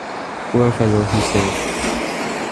"Poor fellow," he said.